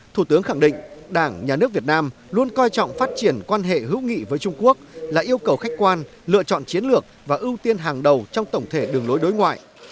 thủ tướng khẳng định đảng nhà nước việt nam luôn coi trọng phát triển quan hệ hữu nghị với trung quốc là yêu cầu khách quan lựa chọn chiến lược và ưu tiên hàng đầu trong tổng thể đường lối đối ngoại